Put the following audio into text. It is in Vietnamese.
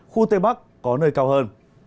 khu tây bắc có nơi cao hơn